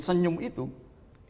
senyum itu adalah bentuknya sabrina